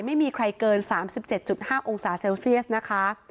ไม่มีใครเกิน๓๗๕องศาเซลเซียสนะคะ